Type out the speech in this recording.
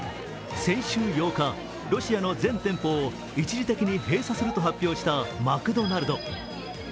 先週８日、ロシアの全店舗を一時的に閉鎖すると発表したマクドナルド。